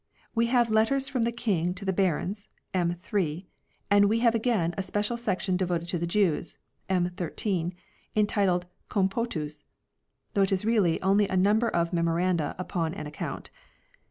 We have letters from the King to the barons (m. 3). And we have again a special section devoted to the Jews (m. 13), entitled " Com potus," though it is really only a number of Memo randa upon an Account.